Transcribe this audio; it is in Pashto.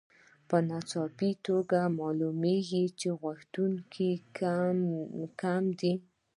په ناڅاپي توګه معلومېږي چې غوښتونکي کم دي